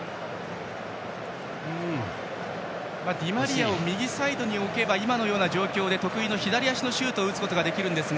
ディマリアを右サイドに置けば今のような状況で得意の左足のシュートを打つことができますが。